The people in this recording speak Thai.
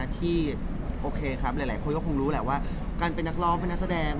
ที่โอเคครับหลายคนก็คงรู้แหละว่าการเป็นนักร้องเป็นนักแสดง